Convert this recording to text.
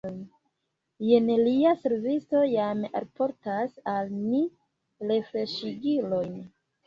Jen lia servisto jam alportas al ni refreŝigilojn.